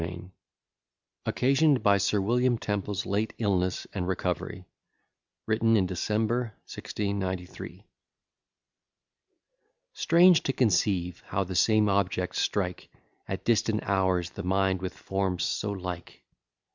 B._] OCCASIONED BY SIR WILLIAM TEMPLE'S LATE ILLNESS AND RECOVERY WRITTEN IN DECEMBER, 1693 Strange to conceive, how the same objects strike At distant hours the mind with forms so like!